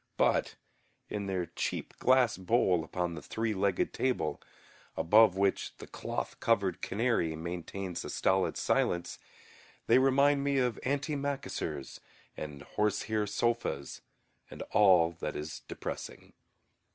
But in their cheap glass bowl upon the three legged table, above which the cloth covered canary maintains a stolid silence, they remind me of antimacassars and horsehair sofas and all that is depressing.